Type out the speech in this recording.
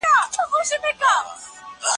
هغه بې هدفه ناست په ناستي څونه ستړي دي